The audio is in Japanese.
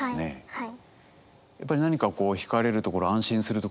はい。